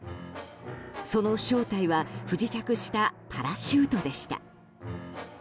その正体は不時着したパラシュートでした。